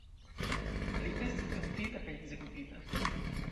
Li estis kaptita kaj ekzekutita.